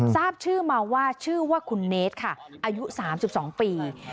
ทราบชื่อมาว่าชื่อว่าคุณเนธค่ะอายุ๓๒ปี